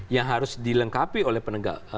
yang harus dilengkapi oleh penegak